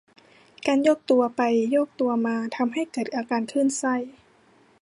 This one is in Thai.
การโยกตัวไปโยกตัวมาทำให้เกิดอาการคลื่นไส้